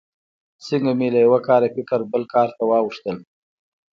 څنګه مې له یوه کاره فکر بل کار ته واوښتل.